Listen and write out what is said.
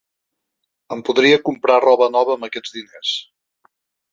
Em podria comprar roba nova amb aquests diners.